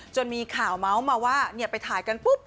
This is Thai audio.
จนมีข่าวเม้าส์มาว่าเนี่ยไปถ่ายกันปุ๊บ